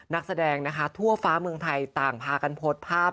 นักแสดงนะคะทั่วฟ้าเมืองไทยต่างพากันโพสต์ภาพ